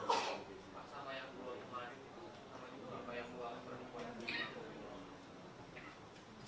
apa yang luar